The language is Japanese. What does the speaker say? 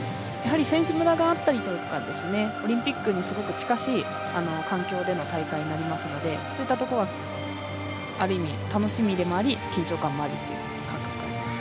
選手村があったりとかオリンピックにすごく近しい環境での大会になりますのでそういったところはある意味、楽しみでもあり緊張感もありっていう感覚です。